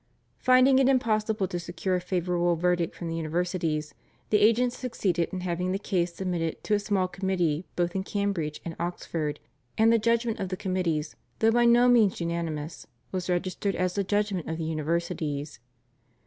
Finding it impossible to secure a favourable verdict from the universities, the agents succeeded in having the case submitted to a small committee both in Cambridge and Oxford, and the judgment of the committees, though by no means unanimous, was registered as the judgment of the universities.